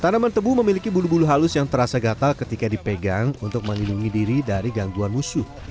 tanaman tebu memiliki bulu bulu halus yang terasa gatal ketika dipegang untuk melindungi diri dari gangguan musuh